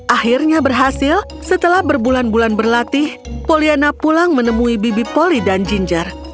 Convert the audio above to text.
akhirnya berhasil setelah berbulan bulan berlatih poliana pulang menemui bibi polly dan ginger